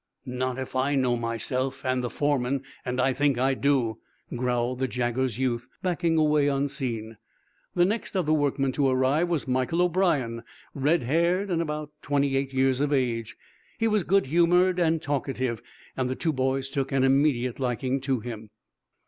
"Not if I know myself and the foreman and I think I do!" growled the Jaggers youth, backing away unseen. The next of the workmen to arrive was Michael O'brien, red haired and about twenty eight years of age. He was good humored and talkative, and the two boys took an immediate liking to him.